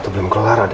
tentang kemahiran kita